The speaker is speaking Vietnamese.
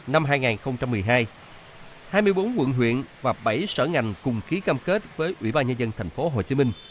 năm hai nghìn một mươi hai hai mươi bốn quận huyện và bảy sở ngành cùng ký cam kết với ủy ban nhân dân tp hcm